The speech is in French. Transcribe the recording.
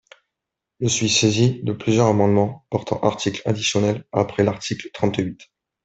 Je suis saisi de plusieurs amendements portant article additionnel après l’article trente-huit.